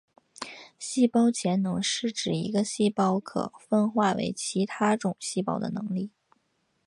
细胞潜能是指一个细胞可以分化为其他种细胞的能力。